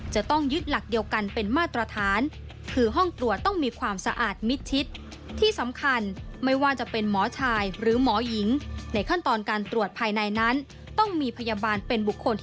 จะต้องยึดหลักเดียวกันเป็นมาตรฐาน